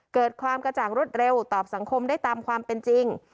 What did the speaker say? เกิดความกระจ่างรวดเร็วตอบสังคมได้ตามความเป็นจริง